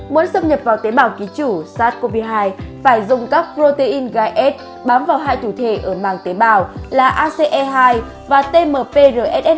muốn xâm nhập vào tế bào ký chủ sars cov hai phải dùng các protein gai s bám vào hai thủ thể ở màng tế bào là ace hai và tmprss hai